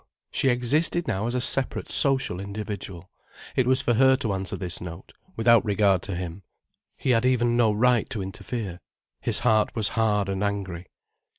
She existed now as a separate social individual. It was for her to answer this note, without regard to him. He had even no right to interfere. His heart was hard and angry.